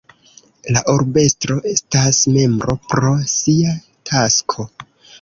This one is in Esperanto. La urbestro estas membro pro sia tasko.